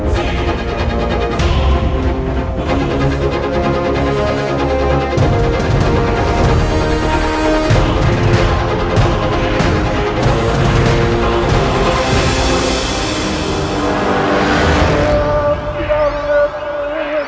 sudah cukup raden